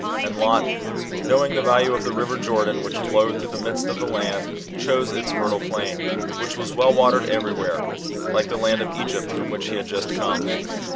And Lot, knowing the value of the river Jordan which flowed through the midst of the land, chose its fertile plain, which was well watered every where, like the land of Egypt, from which he had just come.